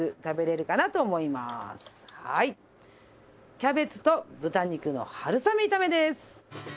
キャベツと豚肉の春雨炒めです。